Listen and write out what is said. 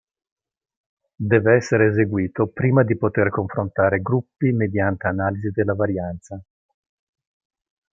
Deve essere eseguito prima di poter confrontare gruppi mediante analisi della varianza.